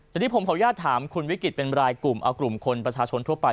ทีนี้ผมขออนุญาตถามคุณวิกฤตเป็นรายกลุ่มเอากลุ่มคนประชาชนทั่วไป